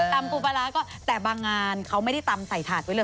ตำปูปลาร้าก็แต่บางงานเขาไม่ได้ตำใส่ถาดไว้เลย